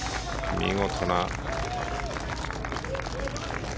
見事な。